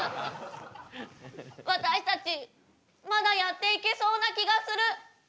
私たちまだやっていけそうな気がする。